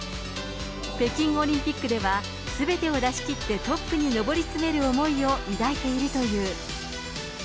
北京オリンピックでは、すべてを出しきってトップに上り詰める思いを抱いているという。